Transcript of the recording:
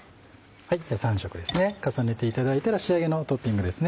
３色ですね重ねていただいたら仕上げのトッピングですね。